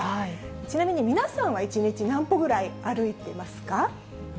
ちなみに皆さんは１日何歩ぐらい歩いていますか？